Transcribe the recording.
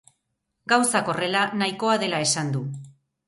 Gauzak horrela, nahikoa dela esan du.